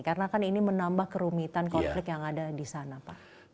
karena kan ini menambah kerumitan konflik yang ada di sana pak